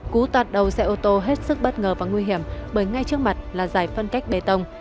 cú tạt đầu xe ô tô hết sức bất ngờ và nguy hiểm bởi ngay trước mặt là giải phân cách bê tông